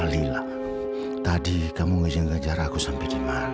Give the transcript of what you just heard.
lila tadi kamu ngejar ngejar aku sampai dimana